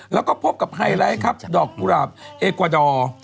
แล้วก็พบกับไฮไลท์ครับดอกกุหลาบเอกวาดอร์